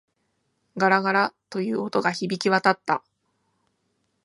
ガラガラ、という音が響き渡った。